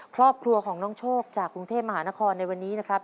ครอบครัวของน้องโชคจากกรุงเทพมหานครในวันนี้นะครับ